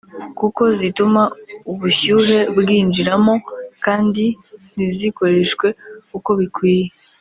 kuko zituma ubushyuhe bwinjiramo kandi ntizikoreshwe uko bikwiye